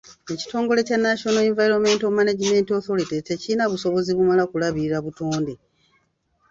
Ekitongole kya National Environmental Management Authority tekirina busobozi bumala kulabirira butonde.